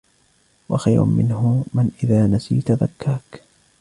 وَخَيْرٌ مِنْهُ مَنْ إذَا نَسِيت ذَكَّرَك